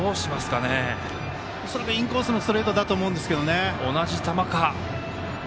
恐らくインコースのストレートだと思うんですけどね。